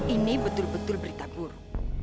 ini betul betul berita buruk